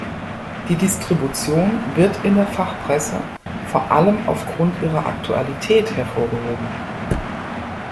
Die Distribution wird in der Fachpresse vor allem aufgrund ihrer Aktualität hervorgehoben.